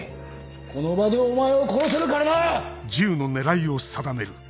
この場でお前を殺せるからな！